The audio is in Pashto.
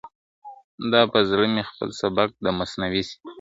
را په زړه مي خپل سبق د مثنوي سي ..